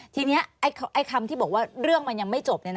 ทีนี้คำที่บอกว่าเรื่องมันยังไม่จบ